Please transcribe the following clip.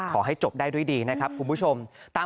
ขอให้จบได้ด้วยดีนะครับคุณผู้ชม